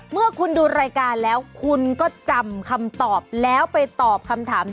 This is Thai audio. เมื่อคุณดูรายการแล้วคุณก็จำคำตอบแล้วไปตอบคำถาม